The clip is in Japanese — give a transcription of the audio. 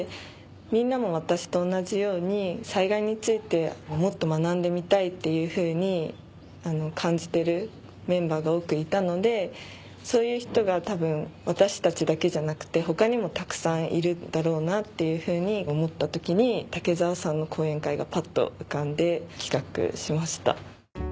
みんなも私と同じように災害についてもっと学んでみたいっていうふうに感じてるメンバーが多くいたのでそういう人が多分私たちだけじゃなくて他にもたくさんいるんだろうなっていうふうに思った時に武澤さんの講演会がパッと浮かんで企画しました。